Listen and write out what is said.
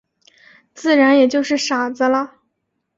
自然也就是傻子了。